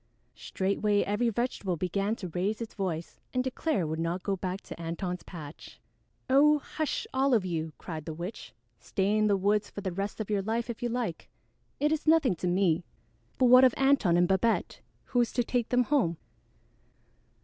Straightway every vegetable began to raise its voice and declare it would not go back to Antone's patch. "Oh, hush, all of you!" cried the witch. "Stay in the woods for the rest of your life if you like. It is nothing to me; but what of Antone and Babette? Who is to take them home?"